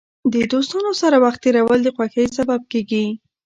د دوستانو سره وخت تېرول د خوښۍ سبب کېږي.